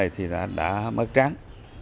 thì đã mất trắng